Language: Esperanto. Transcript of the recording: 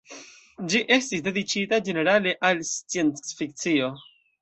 Ĝi estis dediĉita ĝenerale al sciencfikcio.